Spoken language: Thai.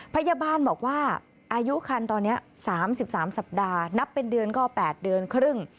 พยาบาลบอกว่าอายุคันตอนนี้๓๓สัปดาห์นับเป็นเดือนก็๘เดือนครึ่ง